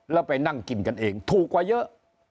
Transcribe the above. แล้วไปนั่งกินกันเองถูกกว่าเยอะ